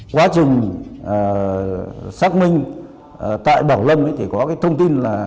quá trình xác minh tại bảo lâm thì có cái thông tin là